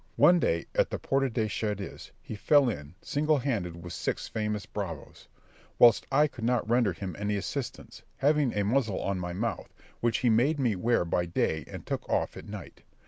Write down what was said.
One day at the Puerta de Xeres he fell in, single handed, with six famous bravoes, whilst I could not render him any assistance, having a muzzle on my mouth, which he made me wear by day and took off at night.